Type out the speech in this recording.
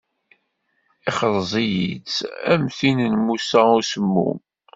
Ixṛez-iyi-tt am tin n Musa Usemmum.